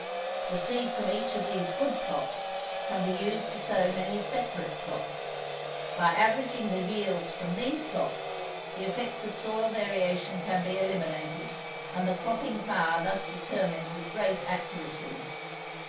The seed from each of these good plots can be used to sow many separate plots: by averaging the yields from these plots the effects of soil variation can be eliminated, and the cropping power thus determined with great accuracy.